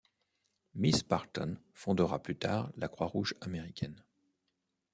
Miss Barton fondera plus tard la Croix-Rouge américaine.